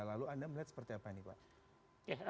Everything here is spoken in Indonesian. lalu anda melihat seperti apa nih pak